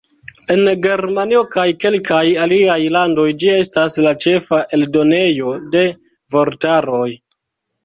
En Germanio kaj kelkaj aliaj landoj ĝi estas la ĉefa eldonejo de vortaroj.